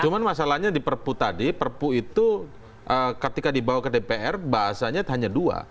cuma masalahnya di perpu tadi perpu itu ketika dibawa ke dpr bahasanya hanya dua